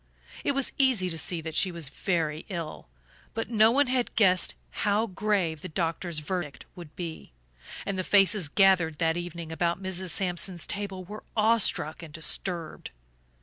It was easy to see that she was very ill, but no one had guessed how grave the doctor's verdict would be, and the faces gathered that evening about Mrs. Sampson's table were awestruck and disturbed.